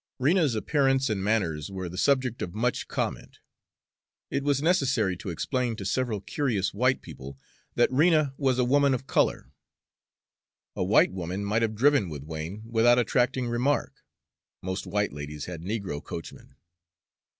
Rena's appearance and manners were the subject of much comment. It was necessary to explain to several curious white people that Rena was a woman of color. A white woman might have driven with Wain without attracting remark, most white ladies had negro coachmen.